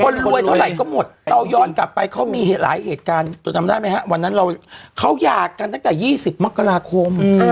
รวยเท่าไหร่ก็หมดเราย้อนกลับไปเขามีหลายเหตุการณ์จนจำได้ไหมฮะวันนั้นเราเขาอยากกันตั้งแต่๒๐มกราคม